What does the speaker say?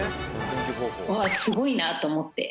うわすごいなと思って